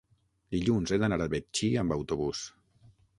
Dilluns he d'anar a Betxí amb autobús.